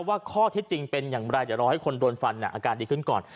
ว่าข้อเท็จจริงเป็นอย่างไรเดี๋ยวรอให้คนโดนฟันอาการดีขึ้นก่อน